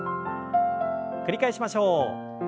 繰り返しましょう。